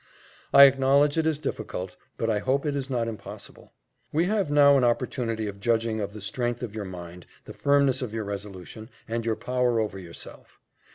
"I acknowledge it is difficult, but I hope it is not impossible. We have now an opportunity of judging of the strength of your mind, the firmness of your resolution, and your power over yourself.